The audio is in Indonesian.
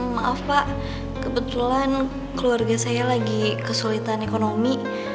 maaf pak kebetulan keluarga saya lagi kesulitan ekonomi